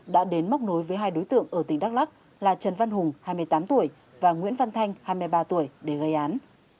đã đến móc nối với hai đối tượng ở tỉnh đắk lắc là trần văn hùng hai mươi tám tuổi và nguyễn văn thanh hai mươi ba tuổi để gây án